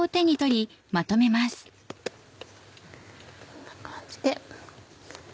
こんな感じで。